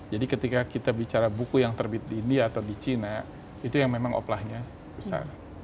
jadi ketika kita bicara buku yang terbit di india atau di china itu yang memang oplahnya